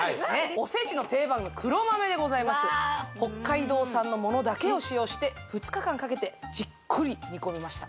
おせちの定番黒豆でございます北海道産のものだけを使用して２日間かけてじっくり煮込みました